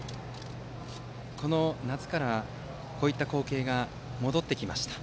この夏からこの光景が戻ってきました。